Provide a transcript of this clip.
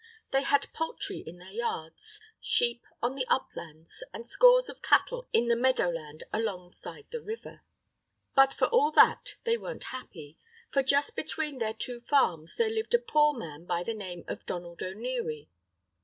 They had poultry in their yards, sheep on the uplands, and scores of cattle in the meadow land alongside the river. But for all that they weren't happy, for just between their two farms there lived a poor man by the name of Donald O'Neary.